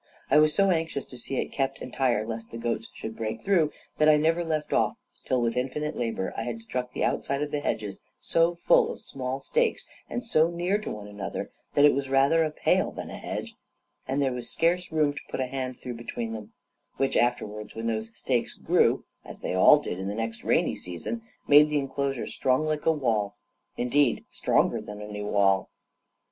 I was so anxious to see it kept entire, lest the goats should break through, that I never left off till, with infinite labor, I had stuck the outside of the hedge so full of small stakes, and so near to one another, that it was rather a pale than a hedge, and there was scarce room to put a hand through between them; which afterwards, when those stakes grew, as they all did in the next rainy season, made the enclosure strong like a wall, indeed stronger than any wall.